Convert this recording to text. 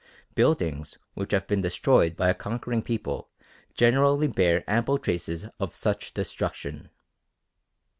Buildings which have been destroyed by a conquering people generally bear ample traces of such destruction.